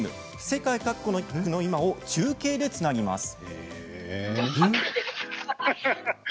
世界各国の今を中継でつなぎます。